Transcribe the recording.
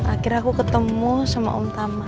akhirnya aku ketemu sama om tama